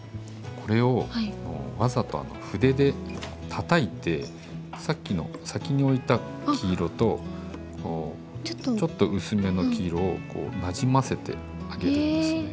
これをわざと筆でたたいてさっきの先に置いた黄色とちょっと薄めの黄色をなじませてあげるんですね。